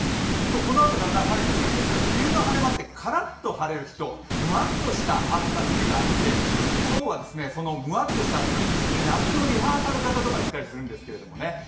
このあとだんだん晴れてくるんですが梅雨の晴れ間ってからっと晴れる日とむわっとした暑さの日があって今日はそのむわっとした暑さ、夏のリハーサル型とか言ったりするんですけどね。